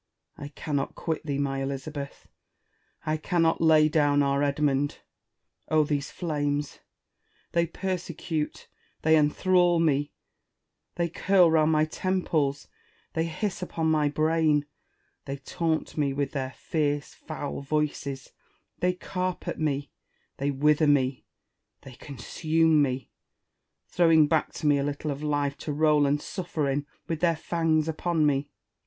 I cannot quit thee, my Elizabeth ! I cannot lay down our Edmund ! Oh, these flames ! They persecute, they enthrall me ; they curl round my temples ; they hiss upon my brain ; they taunt me with their fierce, foul voices ; they carp at me, they wither me, they consume me, throwing back to me a little of life to roll and sufier in, with their fangs upon me.